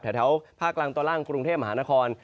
แถวภาคกลางตอนล่างกรุงเทพมหานคร